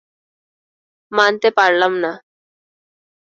মানতে পারলাম না।